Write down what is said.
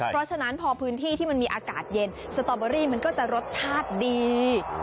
เพราะฉะนั้นพอพื้นที่ที่มันมีอากาศเย็นสตอเบอรี่มันก็จะรสชาติดี